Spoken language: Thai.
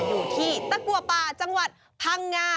อยู่ที่ตะกัวป่าจังหวัดพังงา